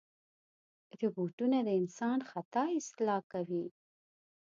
روبوټونه د انسان خطا اصلاح کوي.